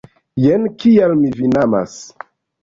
Jen kial mi vin amas!